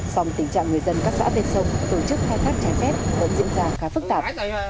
xong tình trạng người dân các xã tên sông tổ chức khai thác trái phép cũng diễn ra khá phức tạp